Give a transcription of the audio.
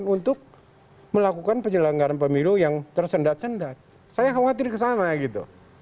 untuk melakukan angket